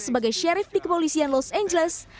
sebagai sherif di kepolisian los angeles